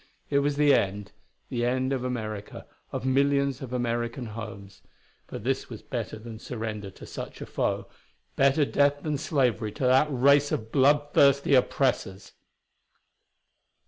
It was the end the end of America, of millions of American homes but this was better than surrender to such a foe. Better death than slavery to that race of bloodthirsty oppressors.